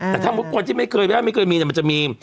แต่ถ้าคนที่ไม่เคยแวะไม่เคยมีมันจะมี